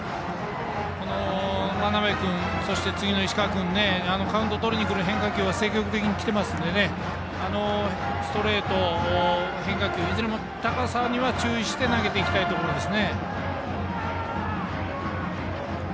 眞邉君、次の石川君とカウントをとりにくる変化球は積極的に来てますのでストレート、変化球いずれも高さには注意して投げていきたいところです。